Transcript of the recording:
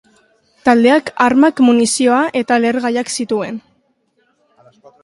Taldeak armak, munizioa eta lehergaiak zituen.